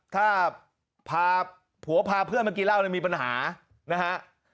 ถ้าพาผัวพาเพื่อนมากินเหล้าเนี่ยมีปัญหานะฮะ